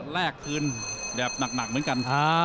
แรกคืนแบบหนักเหมือนกันท้า